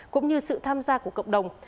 cũng như sự tham gia của cộng đồng